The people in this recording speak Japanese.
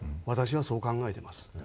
私はそう考えています。